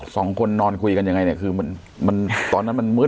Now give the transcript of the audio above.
สองคนนอนคุยกันยังไงเนี่ยคือมันมันตอนนั้นมันมืด